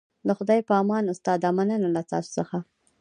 د خدای په امان استاده مننه له تاسو څخه